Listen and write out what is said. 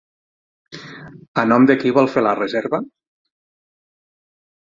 A nom de qui vol fer la reserva?